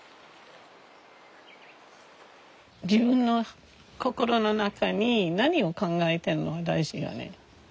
自分の心の中に何を考えてるの大事よね。